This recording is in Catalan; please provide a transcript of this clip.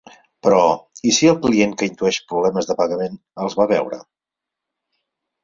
Però, i si el client que intueix problemes de pagament els va a veure?